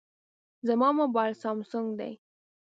زما موبایل سامسونګ دی.